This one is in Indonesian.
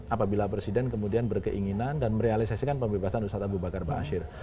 apabila presiden kemudian berkeinginan dan merealisasikan pembebasan ustaz abu bakar ba'asyir